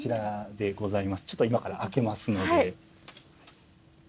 ちょっと今から開けますので。